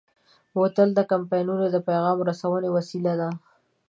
بوتل د کمپاینونو د پیغام رسونې وسیله ده.